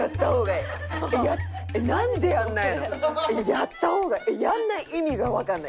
「やった方がやんない意味がわかんない」。